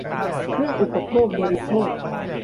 เครื่องอุปโภคบริโภค